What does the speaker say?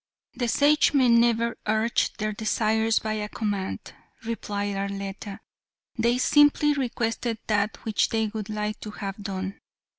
"The Sagemen never urged their desires by a command," replied Arletta, "they simply requested that which they would like to have done.